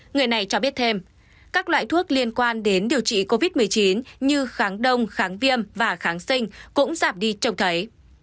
người này cho biết thêm các loại thuốc liên quan đến điều trị covid một mươi chín như kháng đông kháng viêm và kháng sinh cũng giảm đi trông thấy